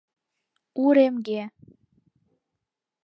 Уремге